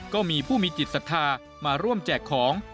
ก็มีผู้มีจิตศรัทธามาร่วมแจกของ